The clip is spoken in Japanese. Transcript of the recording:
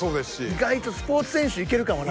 意外とスポーツ選手いけるかもな。